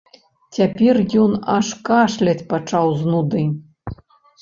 Цяпер ён аж кашляць пачаў з нуды.